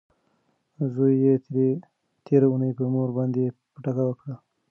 زوی یې تیره اونۍ په مور باندې پټکه وکړه.